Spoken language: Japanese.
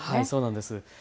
そうなんです。